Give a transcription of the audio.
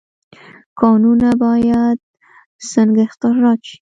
کانونه باید څنګه استخراج شي؟